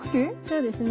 そうですね。